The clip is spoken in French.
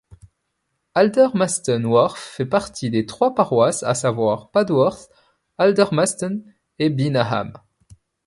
Aldermaston Wharf fait partie de trois paroisses: à savoir Padworth, Aldermaston et Beenham.